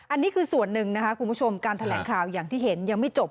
อันนี้คือส่วนหนึ่งนะคะคุณผู้ชมการแถลงข่าวอย่างที่เห็นยังไม่จบ